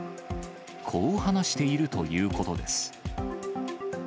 こう話しているということです。